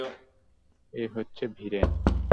এ হচ্ছে ভিরেন!